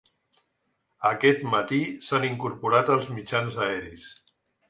Aquest matí s'han incorporat els mitjans aeris.